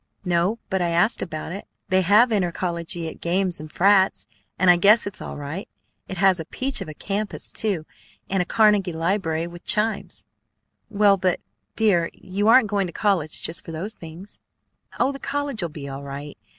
"No, but I asked about it. They have intercollegiate games and frats, and I guess it's all right. It has a peach of a campus, too, and a Carnegie library with chimes " "Well, but, dear, you aren't going to college just for those things." "Oh, the college'll be all right.